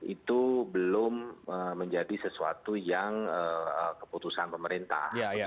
itu belum menjadi sesuatu yang keputusan pemerintah